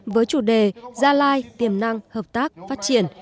với chủ đề gia lai tiềm năng hợp tác phát triển